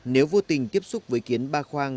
nếu vô tình tiếp xúc với kiến ba khoang